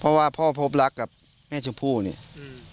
เพราะว่าพ่อพบรักกับแม่ชมพู่เนี่ย